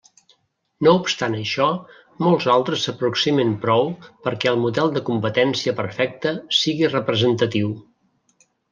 No obstant això molts altres s'aproximen prou perquè el model de competència perfecta sigui representatiu.